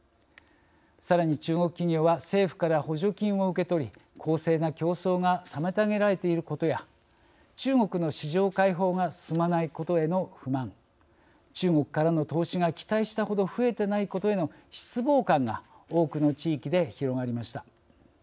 さらに中国企業は政府から補助金を受け取り公正な競争が妨げられていることや中国の市場開放が進まないことへの不満中国からの投資が期待したほど増えていないことへの失望感が多くの地域で広がりました。